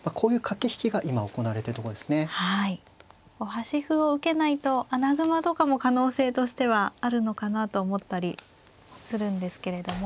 端歩を受けないと穴熊とかも可能性としてはあるのかなと思ったりするんですけれども。